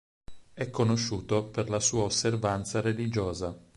È conosciuto per la sua osservanza religiosa.